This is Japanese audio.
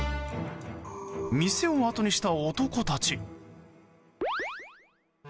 店をあとにした男たち。